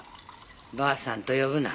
ばあさんと呼ぶな。